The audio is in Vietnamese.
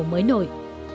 điều mới nổi